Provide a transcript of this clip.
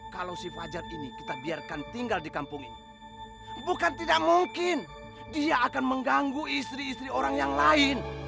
kalau si fajar ini kita biarkan tinggal di kampung ini bukan tidak mungkin dia akan mengganggu istri istri orang yang lain